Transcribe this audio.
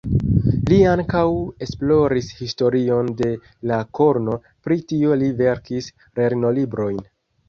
Li ankaŭ esploris historion de la korno, pri tio li verkis lernolibrojn.